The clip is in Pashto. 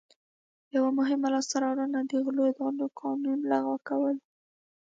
یوه مهمه لاسته راوړنه د غلو دانو قانون لغوه کول و.